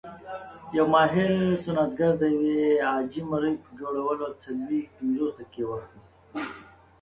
یو ماهر صنعتګر د یوې عاجي مرۍ په جوړولو څلويښت - پنځوس دقیقې وخت نیسي.